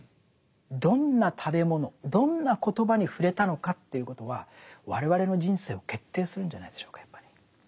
どんな食べ物どんなコトバに触れたのかということは我々の人生を決定するんじゃないでしょうかやっぱり。